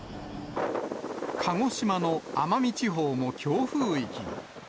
鹿児島の奄美地方も強風域に。